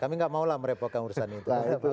kami nggak maulah merepotkan urusan itu